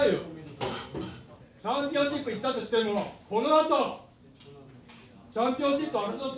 チャンピオンシップいったとしてもこのあとチャンピオンシップ争って。